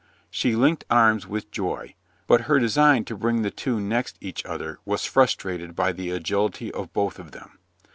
She linked arms with Joy, but her design to bring the two next each other was frustrated by the agility of both of them.